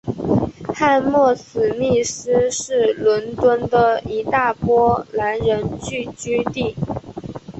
汉默史密斯是伦敦的一大波兰人聚居地。